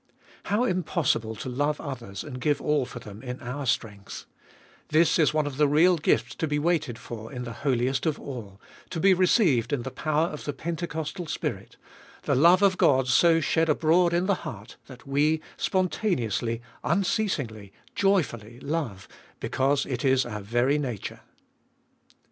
2. How impossible to love others and give all for them in our strength I This is one of the real gifts to be waited for in the Holiest of all, to be received in the power of the pentecostal Spirit— the love of Qod so shed abroad in the heart, that we spontaneously, unceasingly, joyfully love, becausx It Is our very nature.